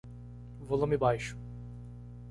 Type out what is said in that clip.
Volume baixo.